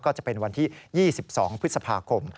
ก็จะเป็นวันที่๒๒พฤษภาคม